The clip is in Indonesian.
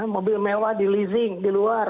mobil mewah di lizzie di luar